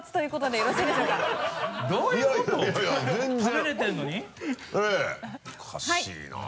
おかしいな。